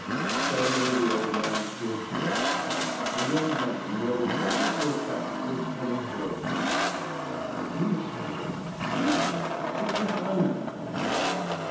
Suddenly the old man stood still. A young man in overcoat and fur cap was coming towards him. Was he mistaken? No; it was Einar.